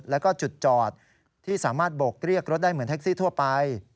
แล้วก็จุดจอดที่สามารถโบกเรียกรถได้เหมือนแท็กซี่ทั่วไป